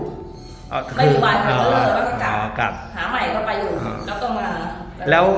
เขาจะอยู่หรือไม่อยู่มากเพราะเขาไม่เคยถ้าบ้าน